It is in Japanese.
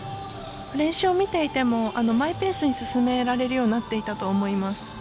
練習を見ていてもマイペースに進められるようになっていたと思います。